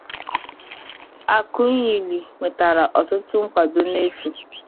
Akunyili nwetara ọtụtụ nkwado n'efu.